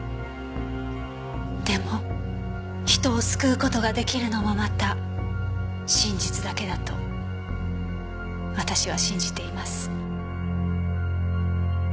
でも人を救う事が出来るのもまた真実だけだと私は信じています。